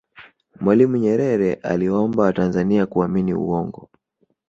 mwalimu nyerere aliwaomba watanzania kuaamini uongo